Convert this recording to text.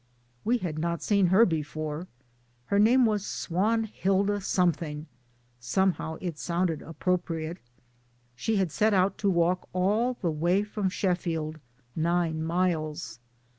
We had not seen her before ; her name was Swan hilda Something (somehow it sounded appropriate) ; she had set out to walk all the way from Sheffield (nine miles).